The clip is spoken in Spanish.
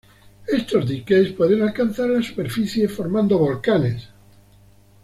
Estos diques pueden alcazar la superficie formando volcanes.